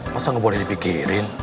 masa gak boleh dipikirin